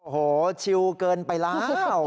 โอ้โฮชิลเกินไปแล้ว